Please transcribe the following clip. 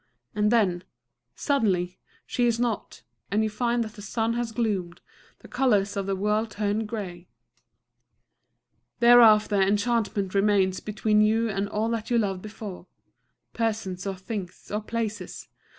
And then suddenly! she is not; and you find that the sun has gloomed, the colors of the world turned grey. Thereafter enchantment remains between you and all that you loved before, persons or things or places.